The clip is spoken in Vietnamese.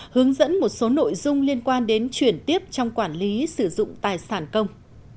hướng dẫn một số nội dung liên quan đến chuyển tiếp trong quản lý sử dụng tài sản công